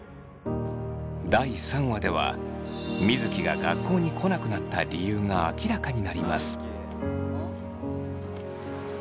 第３話では水城が学校に来なくなった理由が明らかになります。